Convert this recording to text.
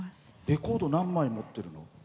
レコード何枚持ってるの？